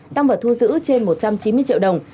tăng vật thu giữ trên một trăm chín mươi triệu đồng